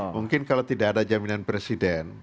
mungkin kalau tidak ada jaminan presiden